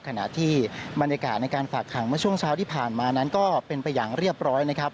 ขณะที่บรรยากาศในการฝากขังเมื่อช่วงเช้าที่ผ่านมานั้นก็เป็นไปอย่างเรียบร้อยนะครับ